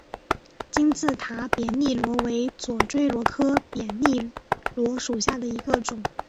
金字塔扁粒螺为左锥螺科扁粒螺属下的一个种。